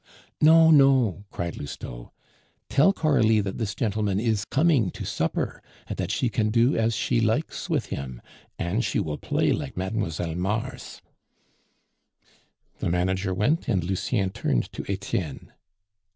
"No! no!" cried Lousteau; "tell Coralie that this gentleman is coming to supper, and that she can do as she likes with him, and she will play like Mlle. Mars." The manager went, and Lucien turned to Etienne.